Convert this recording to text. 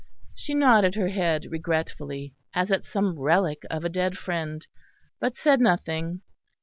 She nodded her head regretfully, as at some relic of a dead friend; but said nothing.